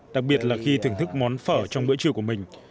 đặc biệt là khi thưởng thức món phở trong bữa trưa của mình